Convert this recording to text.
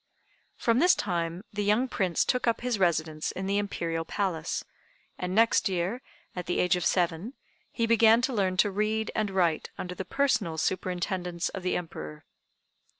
From this time the young Prince took up his residence in the Imperial palace; and next year, at the age of seven, he began to learn to read and write under the personal superintendence of the Emperor.